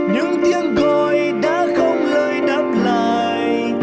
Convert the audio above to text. những tiếng gọi đã không lời đáp lại